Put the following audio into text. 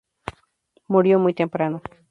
Murió muy temprano.